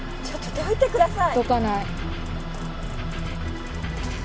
どいてください。